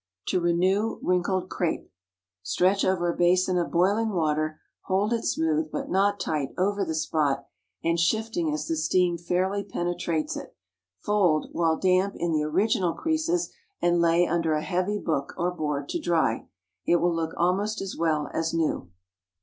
TO RENEW WRINKLED CRAPE. Stretch over a basin of boiling water, holding it smooth, but not tight, over the top, and shifting as the steam fairly penetrates it. Fold, while damp, in the original creases, and lay under a heavy book or board to dry. It will look almost as well as new.